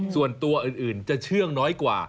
ส่วนตัวอื่นจะเชื่องน้อยกว่า